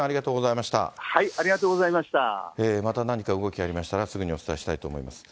また何か動きありましたら、すぐにお伝えしたいと思います。